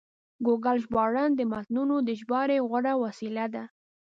ګوګل ژباړن د متنونو د ژباړې غوره وسیله ده.